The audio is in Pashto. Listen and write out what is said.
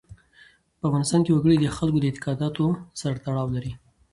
په افغانستان کې وګړي د خلکو د اعتقاداتو سره تړاو لري.